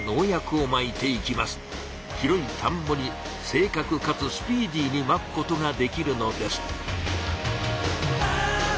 広い田んぼに正かくかつスピーディーにまくことができるのです。